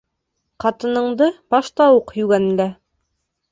Ҡатыныңды башта уҡ йүгәнлә.